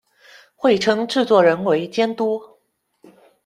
会称制作人为“监督”。